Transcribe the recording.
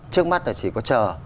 trước mắt là chỉ có chờ